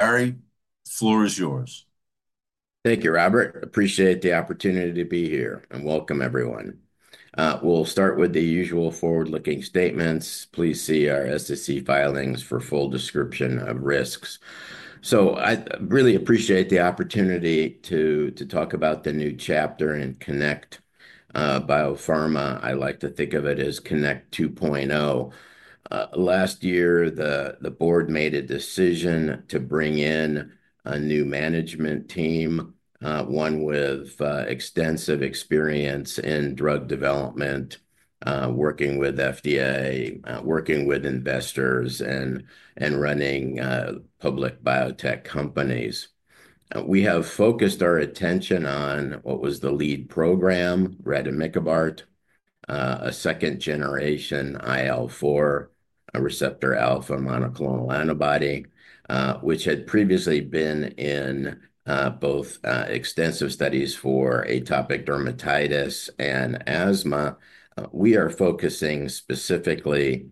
Gary, the floor is yours. Thank you, Robert. Appreciate the opportunity to be here, and welcome everyone. We'll start with the usual forward-looking statements. Please see our SEC filings for full description of risks. I really appreciate the opportunity to talk about the new chapter in Connect Biopharma. I like to think of it as Connect 2.0. Last year, the board made a decision to bring in a new management team, one with extensive experience in drug development, working with the FDA, working with investors, and running public biotech companies. We have focused our attention on what was the lead program, rademikibart, a second-generation IL-4 receptor alpha monoclonal antibody, which had previously been in both extensive studies for atopic dermatitis and asthma. We are focusing specifically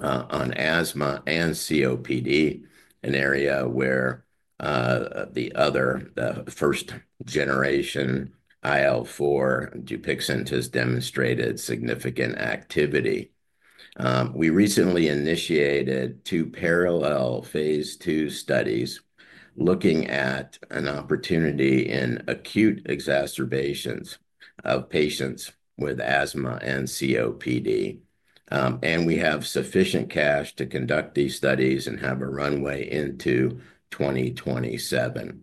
on asthma and COPD, an area where the other first-generation IL-4 Dupixent has demonstrated significant activity. We recently initiated two parallel phase 2 studies looking at an opportunity in acute exacerbations of patients with asthma and COPD, and we have sufficient cash to conduct these studies and have a runway into 2027.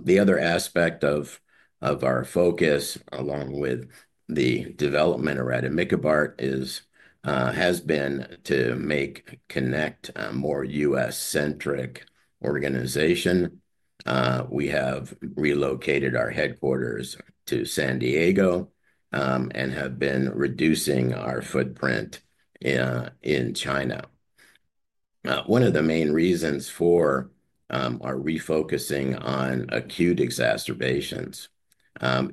The other aspect of our focus, along with the development of rademikibart, has been to make Connect a more U.S.-centric organization. We have relocated our headquarters to San Diego and have been reducing our footprint in China. One of the main reasons for our refocusing on acute exacerbations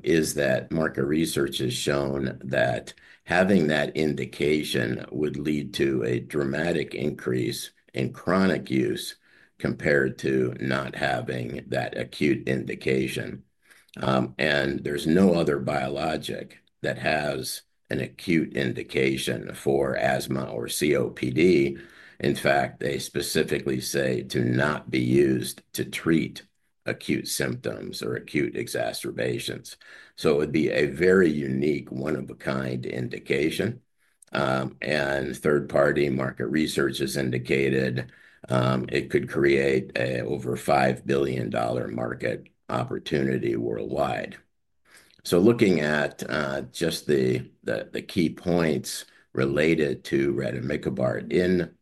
is that market research has shown that having that indication would lead to a dramatic increase in chronic use compared to not having that acute indication. There is no other biologic that has an acute indication for asthma or COPD. In fact, they specifically say to not be used to treat acute symptoms or acute exacerbations. It would be a very unique, one-of-a-kind indication. Third-party market research has indicated it could create an over $5 billion market opportunity worldwide. Looking at just the key points related to rademikibart in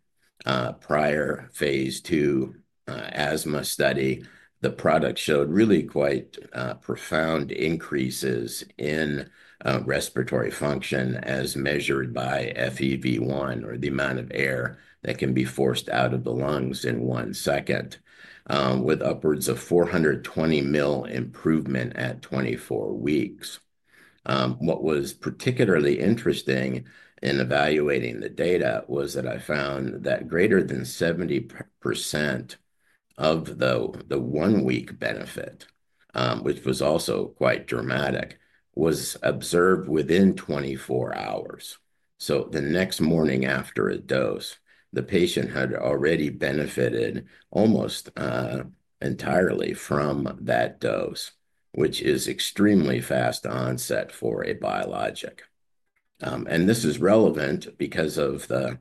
prior phase 2 asthma study, the product showed really quite profound increases in respiratory function as measured by FEV1, or the amount of air that can be forced out of the lungs in one second, with upwards of 420 mL improvement at 24 weeks. What was particularly interesting in evaluating the data was that I found that greater than 70% of the one-week benefit, which was also quite dramatic, was observed within 24 hours. The next morning after a dose, the patient had already benefited almost entirely from that dose, which is extremely fast onset for a biologic. This is relevant because of the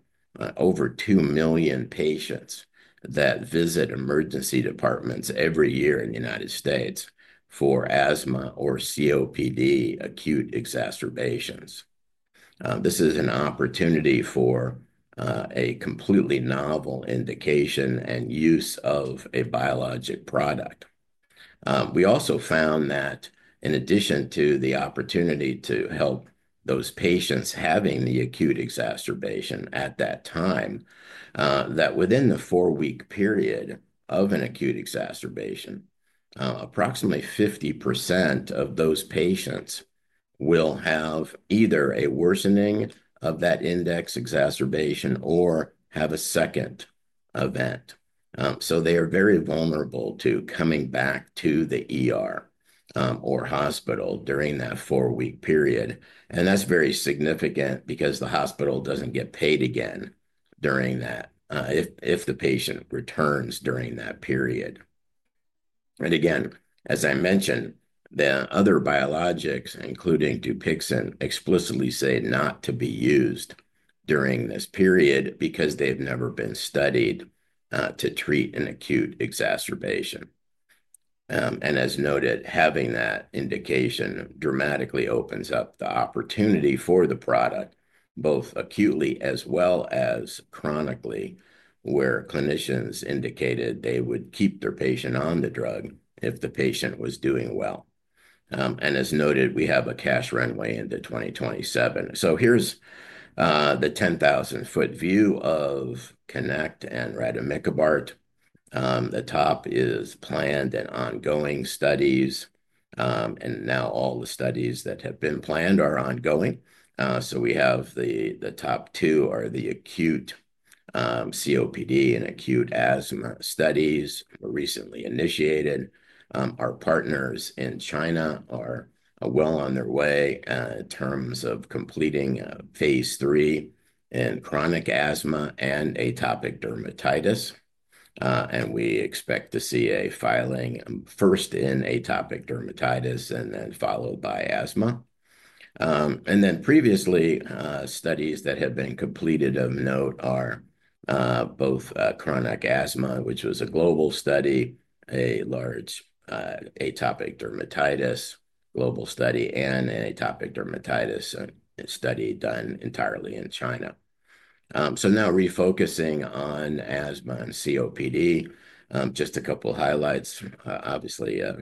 over 2 million patients that visit emergency departments every year in the United States for asthma or COPD acute exacerbations. This is an opportunity for a completely novel indication and use of a biologic product. We also found that in addition to the opportunity to help those patients having the acute exacerbation at that time, that within the four-week period of an acute exacerbation, approximately 50% of those patients will have either a worsening of that index exacerbation or have a second event. They are very vulnerable to coming back to the emergency department or hospital during that four-week period. That is very significant because the hospital does not get paid again during that if the patient returns during that period. Again, as I mentioned, the other biologics, including Dupixent, explicitly say not to be used during this period because they've never been studied to treat an acute exacerbation. As noted, having that indication dramatically opens up the opportunity for the product both acutely as well as chronically, where clinicians indicated they would keep their patient on the drug if the patient was doing well. As noted, we have a cash runway into 2027. Here's the 10,000-foot view of Connect and rademikibart. The top is planned and ongoing studies. Now all the studies that have been planned are ongoing. The top two are the acute COPD and acute asthma studies recently initiated. Our partners in China are well on their way in terms of completing phase 3 in chronic asthma and atopic dermatitis. We expect to see a filing first in atopic dermatitis and then followed by asthma. Previously, studies that have been completed of note are both chronic asthma, which was a global study, a large atopic dermatitis global study, and an atopic dermatitis study done entirely in China. Now refocusing on asthma and COPD, just a couple of highlights. Obviously, a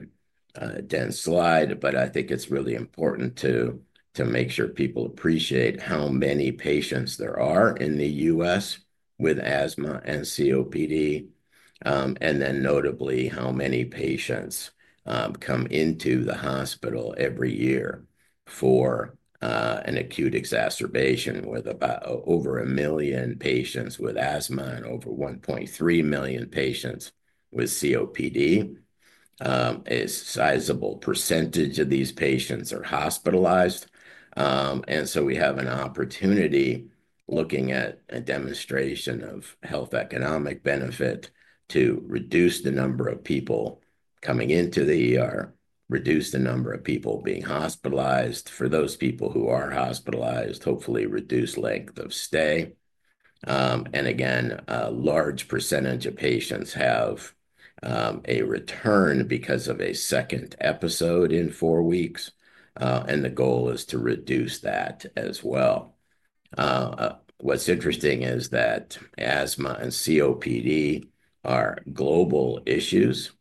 dense slide, but I think it's really important to make sure people appreciate how many patients there are in the U.S. with asthma and COPD, and then notably how many patients come into the hospital every year for an acute exacerbation with over 1 million patients with asthma and over 1.3 million patients with COPD. A sizable percentage of these patients are hospitalized. We have an opportunity looking at a demonstration of health economic benefit to reduce the number of people coming into the hospital, reduce the number of people being hospitalized. For those people who are hospitalized, hopefully reduce length of stay. A large percentage of patients have a return because of a second episode in four weeks. The goal is to reduce that as well. What's interesting is that asthma and COPD are global issues.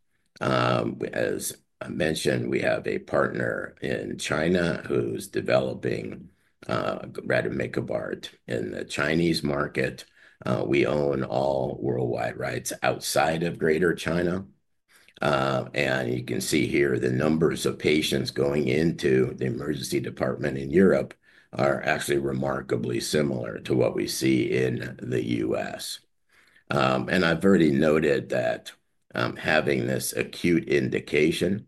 As I mentioned, we have a partner in China who's developing rademikibart in the Chinese market. We own all worldwide rights outside of greater China. You can see here the numbers of patients going into the emergency department in Europe are actually remarkably similar to what we see in the U.S. I've already noted that having this acute indication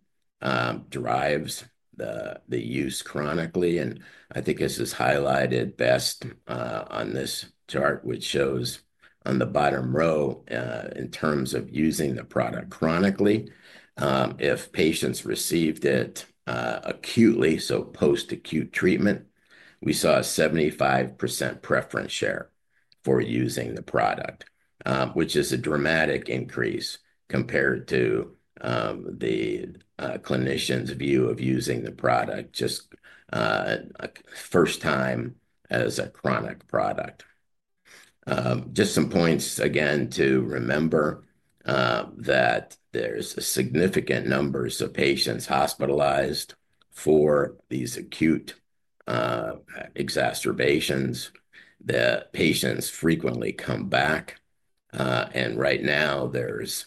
drives the use chronically. I think this is highlighted best on this chart, which shows on the bottom row in terms of using the product chronically. If patients received it acutely, so post-acute treatment, we saw a 75% preference share for using the product, which is a dramatic increase compared to the clinician's view of using the product just first time as a chronic product. Just some points again to remember that there's significant numbers of patients hospitalized for these acute exacerbations. The patients frequently come back. Right now, there's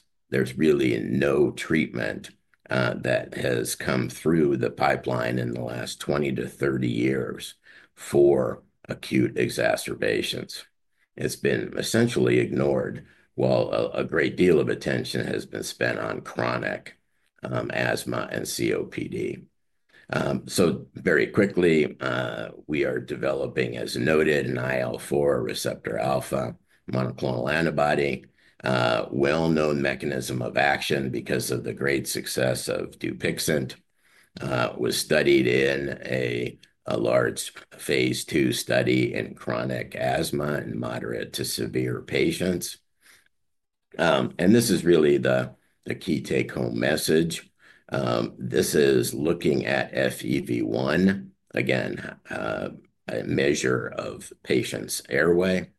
really no treatment that has come through the pipeline in the last 20-30 years for acute exacerbations. It's been essentially ignored while a great deal of attention has been spent on chronic asthma and COPD. Very quickly, we are developing, as noted, an IL-4 receptor alpha monoclonal antibody, a well-known mechanism of action because of the great success of Dupixent. It was studied in a large phase 2 study in chronic asthma in moderate to severe patients. This is really the key take-home message. This is looking at FEV1, again, a measure of patients' airway.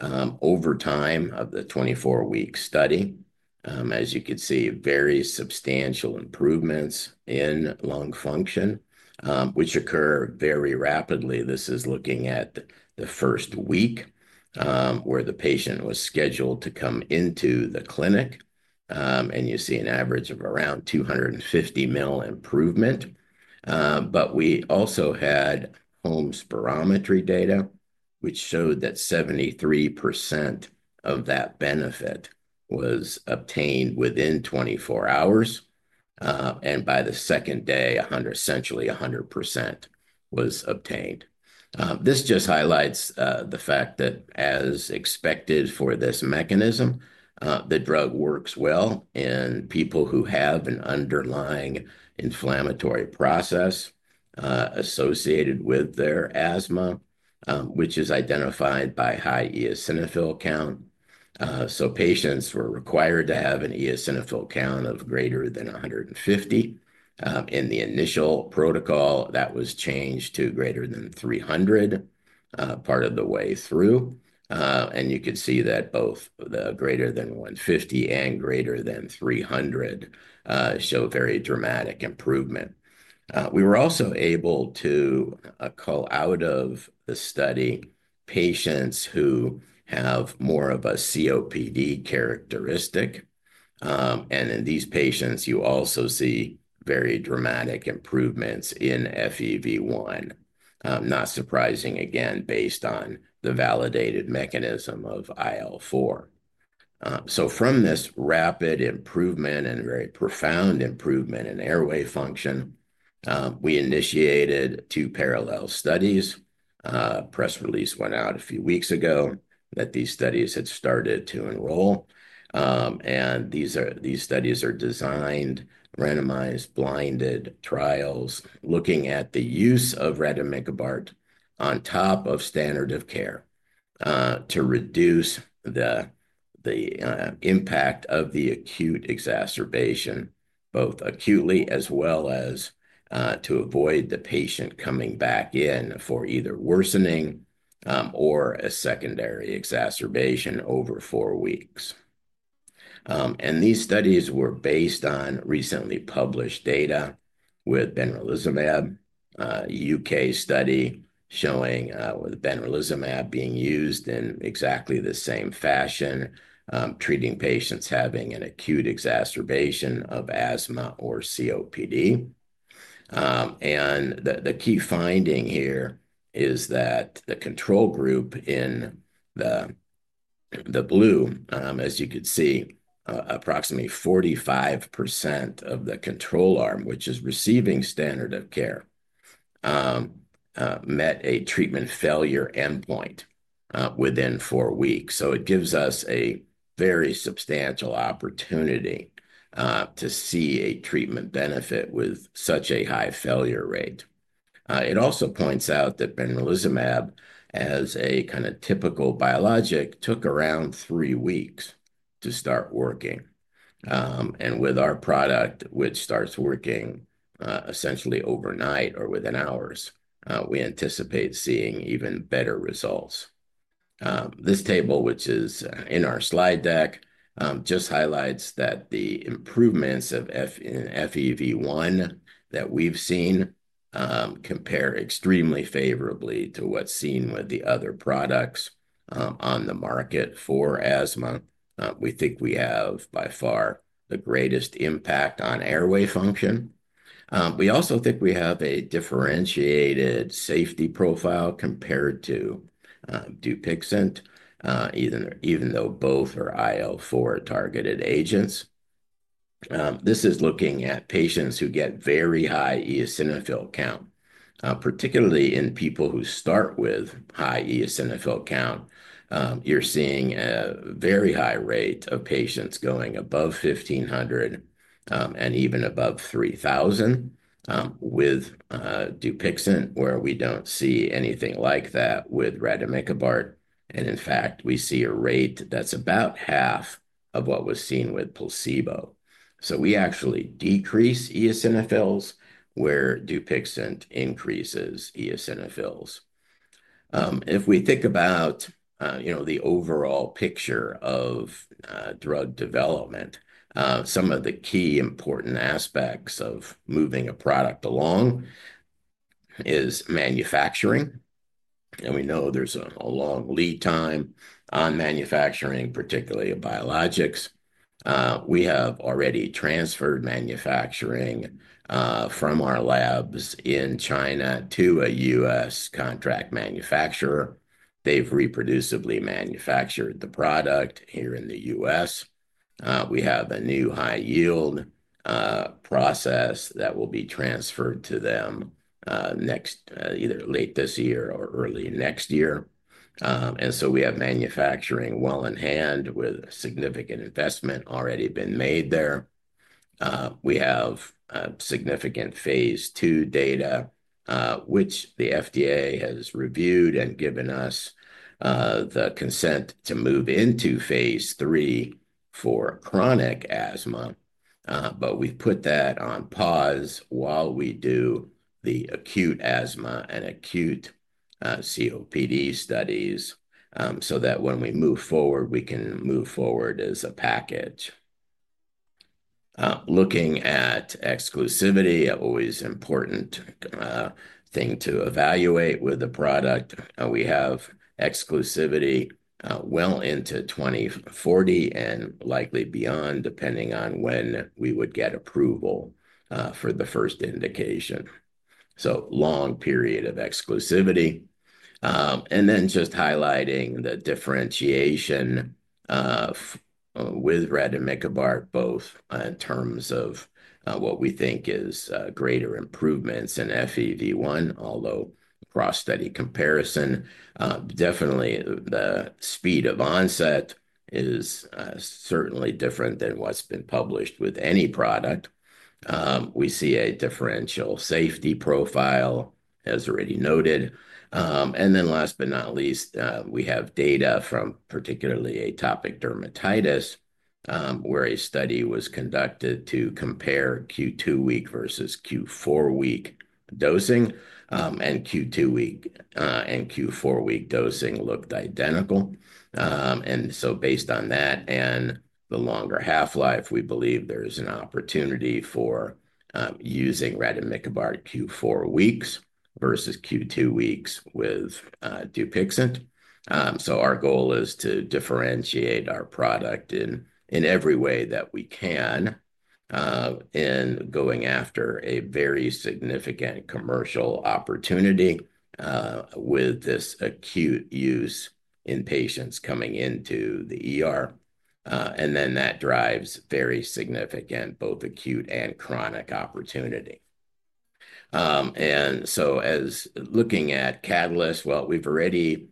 Over time of the 24-week study, as you could see, very substantial improvements in lung function, which occur very rapidly. This is looking at the first week where the patient was scheduled to come into the clinic. You see an average of around 250 mL improvement. We also had home spirometry data, which showed that 73% of that benefit was obtained within 24 hours. By the second day, essentially 100% was obtained. This just highlights the fact that, as expected for this mechanism, the drug works well in people who have an underlying inflammatory process associated with their asthma, which is identified by high eosinophil count. Patients were required to have an eosinophil count of greater than 150. In the initial protocol, that was changed to greater than 300 part of the way through. You could see that both the greater than 150 and greater than 300 show very dramatic improvement. We were also able to call out of the study patients who have more of a COPD characteristic. In these patients, you also see very dramatic improvements in FEV1, not surprising again based on the validated mechanism of IL-4. From this rapid improvement and very profound improvement in airway function, we initiated two parallel studies. Press release went out a few weeks ago that these studies had started to enroll. These studies are designed randomized blinded trials looking at the use of rademikibart on top of standard of care to reduce the impact of the acute exacerbation both acutely as well as to avoid the patient coming back in for either worsening or a secondary exacerbation over four weeks. These studies were based on recently published data with Benralizumab, a U.K. study showing with Benralizumab being used in exactly the same fashion treating patients having an acute exacerbation of asthma or COPD. The key finding here is that the control group in the blue, as you could see, approximately 45% of the control arm, which is receiving standard of care, met a treatment failure endpoint within four weeks. It gives us a very substantial opportunity to see a treatment benefit with such a high failure rate. It also points out that Benralizumab, as a kind of typical biologic, took around three weeks to start working. With our product, which starts working essentially overnight or within hours, we anticipate seeing even better results. This table, which is in our slide deck, just highlights that the improvements in FEV1 that we've seen compare extremely favorably to what's seen with the other products on the market for asthma. We think we have by far the greatest impact on airway function. We also think we have a differentiated safety profile compared to Dupixent, even though both are IL-4 targeted agents. This is looking at patients who get very high eosinophil count, particularly in people who start with high eosinophil count. You're seeing a very high rate of patients going above 1,500 and even above 3,000 with Dupixent, where we don't see anything like that with rademikibart. In fact, we see a rate that's about half of what was seen with placebo. We actually decrease eosinophils where Dupixent increases eosinophils. If we think about the overall picture of drug development, some of the key important aspects of moving a product along is manufacturing. We know there's a long lead time on manufacturing, particularly biologics. We have already transferred manufacturing from our labs in China to a U.S. contract manufacturer. They've reproducibly manufactured the product here in the U.S. We have a new high-yield process that will be transferred to them either late this year or early next year. We have manufacturing well in hand with significant investment already been made there. We have significant phase 2 data, which the FDA has reviewed and given us the consent to move into phase 3 for chronic asthma. We've put that on pause while we do the acute asthma and acute COPD studies so that when we move forward, we can move forward as a package. Looking at exclusivity, always important thing to evaluate with the product. We have exclusivity well into 2040 and likely beyond, depending on when we would get approval for the first indication. Long period of exclusivity. Just highlighting the differentiation with rademikibart, both in terms of what we think is greater improvements in FEV1, although cross-study comparison, definitely the speed of onset is certainly different than what's been published with any product. We see a differential safety profile, as already noted. Last but not least, we have data from particularly atopic dermatitis where a study was conducted to compare Q2 week versus Q4 week dosing. Q2 week and Q4 week dosing looked identical. Based on that and the longer half-life, we believe there is an opportunity for using rademikibart Q4 weeks versus Q2 weeks with Dupixent. Our goal is to differentiate our product in every way that we can in going after a very significant commercial opportunity with this acute use in patients coming into the, and that drives very significant both acute and chronic opportunity. As looking at catalysts, we've already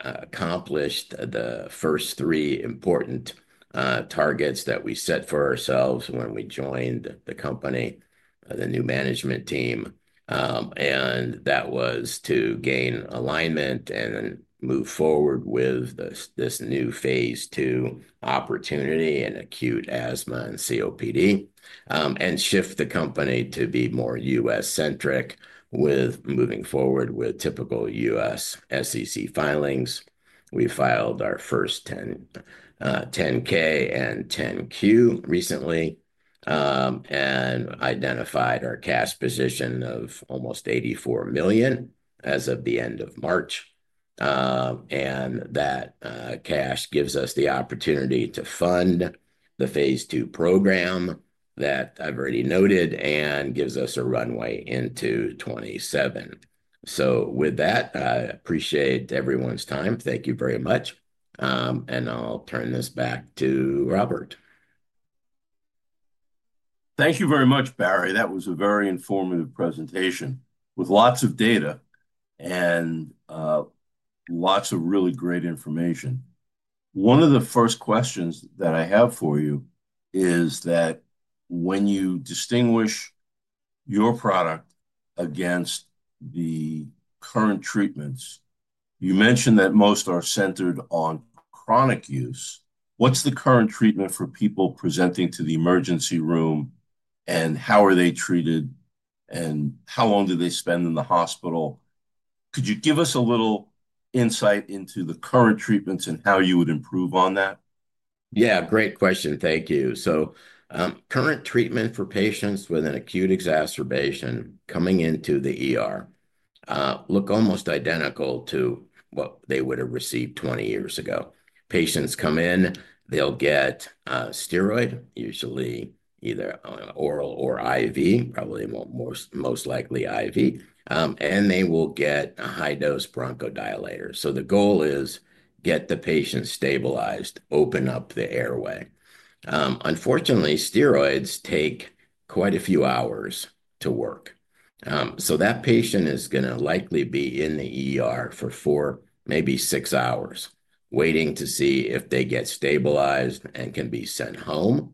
accomplished the first three important targets that we set for ourselves when we joined the company, the new management team. That was to gain alignment and move forward with this new phase two opportunity in acute asthma and COPD and shift the company to be more U.S. centric with moving forward with typical U.S. SEC filings. We filed our first 10K and 10Q recently and identified our cash position of almost $84 million as of the end of March. That cash gives us the opportunity to fund the phase two program that I have already noted and gives us a runway into 2027. I appreciate everyone's time. Thank you very much. I will turn this back to Robert. Thank you very much, Barry. That was a very informative presentation with lots of data and lots of really great information. One of the first questions that I have for you is that when you distinguish your product against the current treatments, you mentioned that most are centered on chronic use. What's the current treatment for people presenting to the emergency room, and how are they treated, and how long do they spend in the hospital? Could you give us a little insight into the current treatments and how you would improve on that? Yeah, great question. Thank you. So current treatment for patients with an acute exacerbation coming in look almost identical to what they would have received 20 years ago. Patients come in, they'll get steroid, usually either oral or IV, probably most likely IV, and they will get a high-dose bronchodilator. The goal is to get the patient stabilized, open up the airway. Unfortunately, steroids take quite a few hours to work. That patient is going to likely be in the for four, maybe six hours waiting to see if they get stabilized and can be sent home.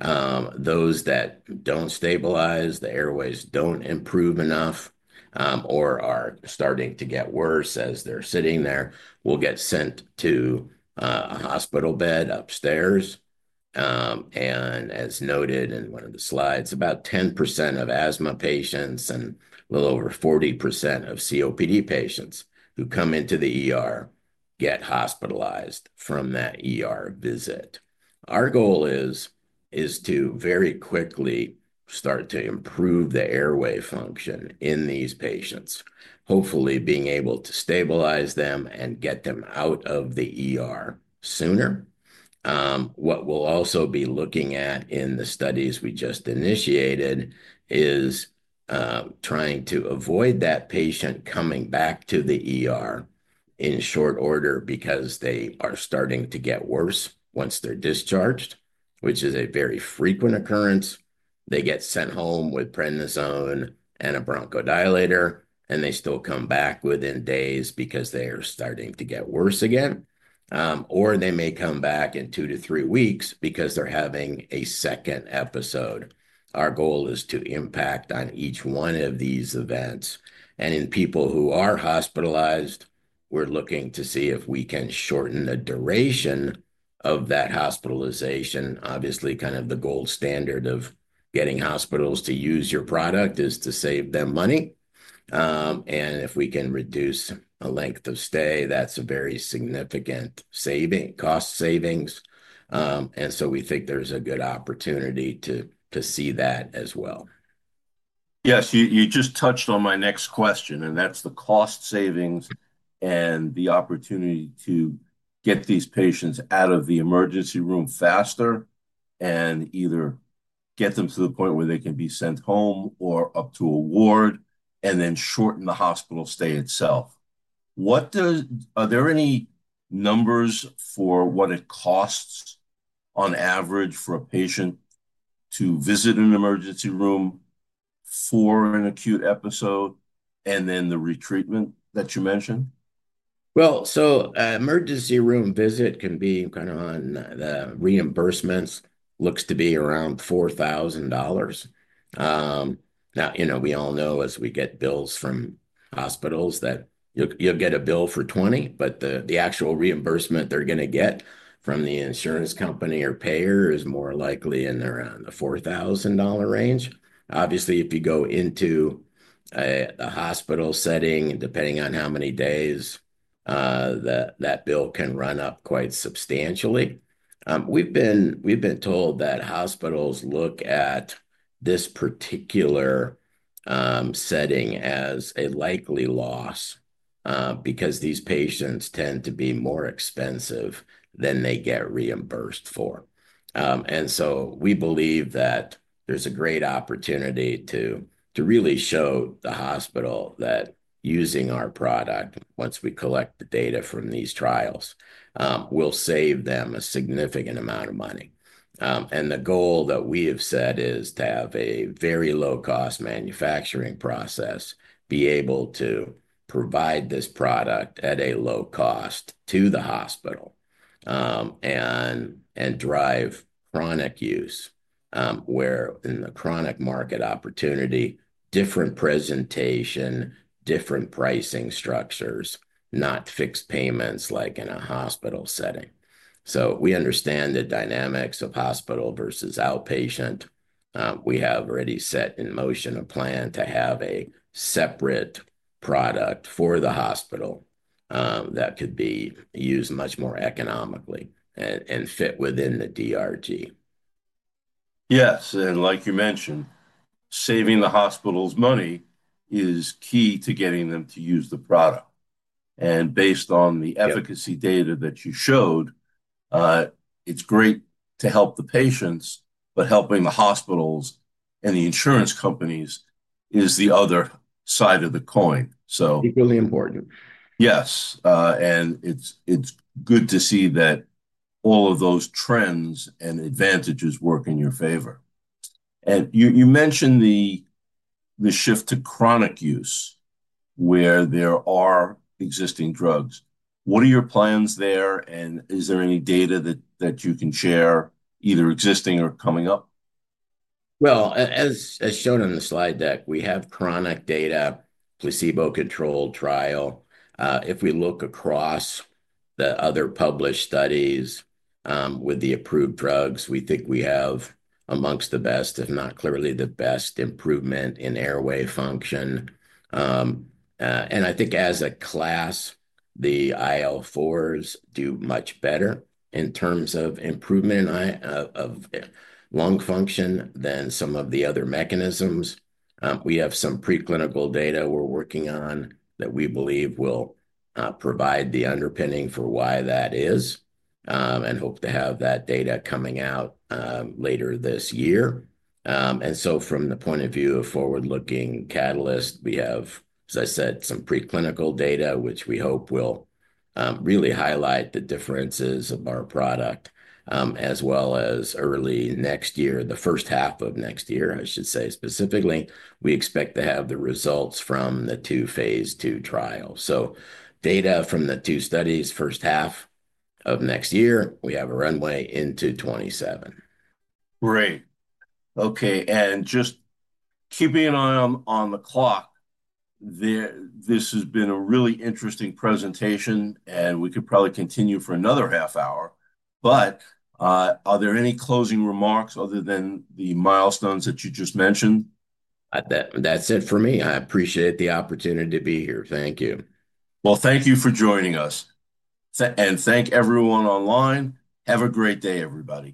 Those that do not stabilize, the airways do not improve enough, or are starting to get worse as they are sitting there, will get sent to a hospital bed upstairs. As noted in one of the slides, about 10% of asthma patients and a little over 40% of COPD patients who come into the get hospitalized from that visit. Our goal is to very quickly start to improve the airway function in these patients, hopefully being able to stabilize them and get them out of the sooner. What we'll also be looking at in the studies we just initiated is trying to avoid that patient coming back to the in short order because they are starting to get worse once they're discharged, which is a very frequent occurrence. They get sent home with prednisone and a bronchodilator, and they still come back within days because they are starting to get worse again. Or they may come back in two to three weeks because they're having a second episode. Our goal is to impact on each one of these events. In people who are hospitalized, we're looking to see if we can shorten the duration of that hospitalization. Obviously, kind of the gold standard of getting hospitals to use your product is to save them money. If we can reduce a length of stay, that's a very significant cost savings. We think there's a good opportunity to see that as well. Yes, you just touched on my next question, and that's the cost savings and the opportunity to get these patients out of the emergency room faster and either get them to the point where they can be sent home or up to a ward and then shorten the hospital stay itself. Are there any numbers for what it costs on average for a patient to visit an emergency room for an acute episode and then the retreatment that you mentioned? An emergency room visit can be kind of on the reimbursements, looks to be around $4,000. Now, we all know as we get bills from hospitals that you'll get a bill for 20, but the actual reimbursement they're going to get from the insurance company or payer is more likely in around the $4,000 range. Obviously, if you go into a hospital setting, depending on how many days, that bill can run up quite substantially. We've been told that hospitals look at this particular setting as a likely loss because these patients tend to be more expensive than they get reimbursed for. We believe that there's a great opportunity to really show the hospital that using our product, once we collect the data from these trials, will save them a significant amount of money. The goal that we have set is to have a very low-cost manufacturing process, be able to provide this product at a low cost to the hospital and drive chronic use where in the chronic market opportunity, different presentation, different pricing structures, not fixed payments like in a hospital setting. We understand the dynamics of hospital versus outpatient. We have already set in motion a plan to have a separate product for the hospital that could be used much more economically and fit within the DRG. Yes. Like you mentioned, saving the hospital's money is key to getting them to use the product. Based on the efficacy data that you showed, it's great to help the patients, but helping the hospitals and the insurance companies is the other side of the coin. It's really important. Yes. It's good to see that all of those trends and advantages work in your favor. You mentioned the shift to chronic use where there are existing drugs. What are your plans there? Is there any data that you can share, either existing or coming up? As shown on the slide deck, we have chronic data, placebo-controlled trial. If we look across the other published studies with the approved drugs, we think we have amongst the best, if not clearly the best improvement in airway function. I think as a class, the IL-4s do much better in terms of improvement of lung function than some of the other mechanisms. We have some preclinical data we're working on that we believe will provide the underpinning for why that is and hope to have that data coming out later this year. From the point of view of forward-looking catalysts, we have, as I said, some preclinical data, which we hope will really highlight the differences of our product as well as early next year, the first half of next year, I should say specifically. We expect to have the results from the two phase 2 trials. Data from the two studies, first half of next year, we have a runway into 2027. Great. Okay. Just keeping an eye on the clock, this has been a really interesting presentation, and we could probably continue for another half hour. Are there any closing remarks other than the milestones that you just mentioned? That's it for me. I appreciate the opportunity to be here. Thank you. Thank you for joining us. Thank everyone online. Have a great day, everybody.